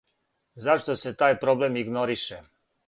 Зашто се тај проблем игнорише?